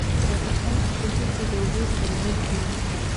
د پښتنو په کلتور کې د اوبو سپمول کیږي.